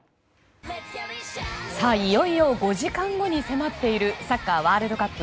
いよいよ５時間後に迫っているサッカーワールドカップ